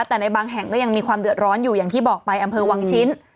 แต่ในบางแห่งก็ยังมีความเดือดร้อนอยู่อย่างที่บอกไปอำเภอวังชิ้น